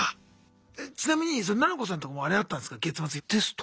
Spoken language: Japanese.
えちなみにななこさんとこもあれあったんすか月末テスト。